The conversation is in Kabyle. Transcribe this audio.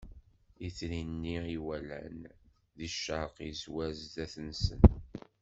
Itri-nni i walan di ccerq izwar zdat-nsen.